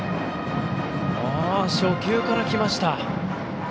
初球から来ました。